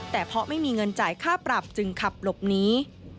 แต่เพราะไม่มีเงินจ่ายค่าปรับจึงขับหลบหนี